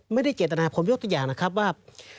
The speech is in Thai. ไม่ได้เจตนาผมยกตัวอย่างนะครับว่า